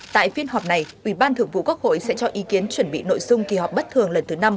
tại phiên họp này ủy ban thường vụ quốc hội sẽ cho ý kiến chuẩn bị nội dung kỳ họp bất thường lần thứ năm